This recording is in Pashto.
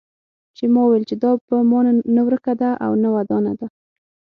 ما وویل چې دا په ما نه ورکه ده او نه ودانه ده.